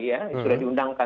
nah ini betul betul dijalankan